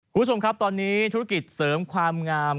คุณผู้ชมครับตอนนี้ธุรกิจเสริมความงาม